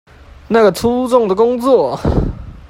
那個粗重的工作